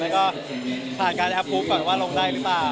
เข้าก็จะควรขอบคุกก่อนว่าลงเอาได้หรือเปล่า